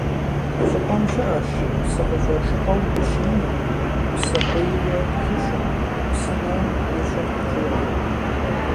Ди щӀыпӀэм щыӀэщ псы къыщӀэшыпӀэу щиим, псыкъуийуэ тхущӀум, псынэу ищӀым щӀигъу.